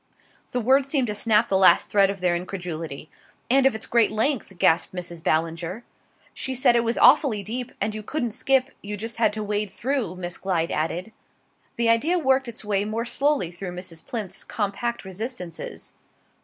The word seemed to snap the last thread of their incredulity. "And of its great length," gasped Mrs. Ballinger. "She said it was awfully deep, and you couldn't skip you just had to wade through," Miss Glyde added. The idea worked its way more slowly through Mrs. Plinth's compact resistances.